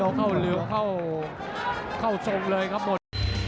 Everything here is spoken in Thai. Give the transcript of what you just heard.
เข้ารั้วเข้าทรงเลยครับผม